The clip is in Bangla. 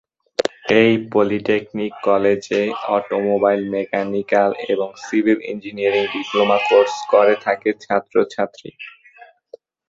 এই পলিটেকনিক কলেজে অটোমোবাইল, মেকানিক্যাল এবং সিভিল ইঞ্জিনিয়ারিং ডিপ্লোমা কোর্স করে থাকে ছাত্র ছাত্রী।